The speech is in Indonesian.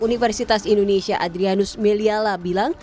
universitas indonesia adrianus meliala bilang